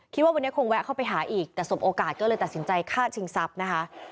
ว่าวันนี้คงแวะเข้าไปหาอีกแต่สมโอกาสก็เลยตัดสินใจฆ่าชิงทรัพย์นะคะ